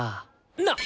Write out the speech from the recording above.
なっ！